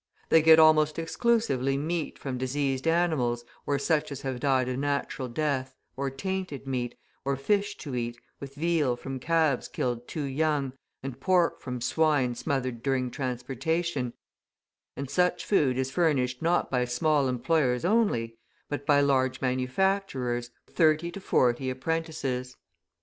They get almost exclusively meat from diseased animals or such as have died a natural death, or tainted meat, or fish to eat, with veal from calves killed too young, and pork from swine smothered during transportation, and such food is furnished not by small employers only, but by large manufacturers, who employ from thirty to forty apprentices.